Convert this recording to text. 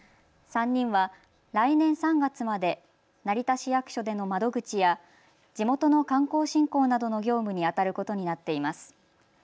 ３人は来年３月まで成田市役所での窓口や地元の観光振興などの業務にあたることになっています。